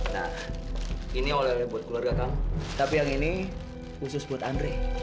nah ini oleh yang repot keluarga kamu tapi yang ini khusus buat andre